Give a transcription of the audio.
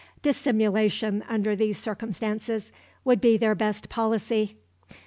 Dissimulation, under these circumstances, would be their best policy.